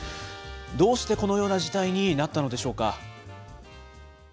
どうしてこのような事態になったのでしょうか。